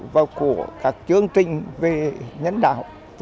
và của các chương trình về nhân đạo